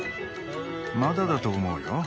まだだと思うよ。